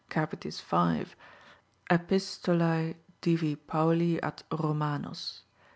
capitis v., epistolae divi Pauli ad romanos.